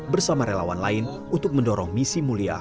bersama relawan lain untuk mendorong misi mulia